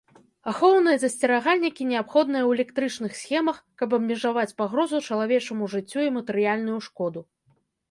Ахоўныя засцерагальнікі неабходныя ў электрычных схемах, каб абмежаваць пагрозу чалавечаму жыццю і матэрыяльную шкоду.